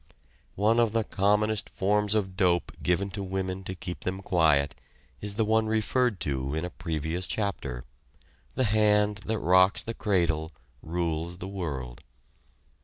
One of the commonest forms of dope given to women to keep them quiet is the one referred to in a previous chapter: "The hand that rocks the cradle rules the World."